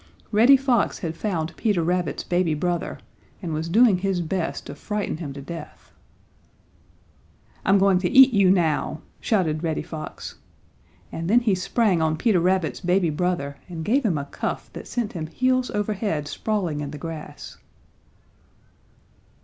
Reddy Fox had found Peter Rabbit's baby brother and was doing his best to frighten him to death. "I'm going to eat you now," shouted Reddy Fox, and then he sprang on Peter Rabbit's baby brother and gave him a cuff that sent him heels over head sprawling in the grass.